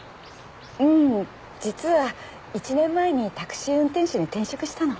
うん実は１年前にタクシー運転手に転職したの。